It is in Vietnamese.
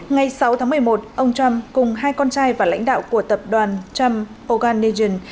ngày sáu tháng một mươi một ông trump cùng hai con trai và lãnh đạo của tập đoàn trump organigen